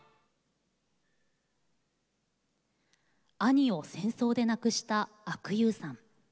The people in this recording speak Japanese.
兄を戦争で亡くした阿久悠さん。